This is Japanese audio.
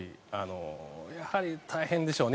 やはり大変でしょうね。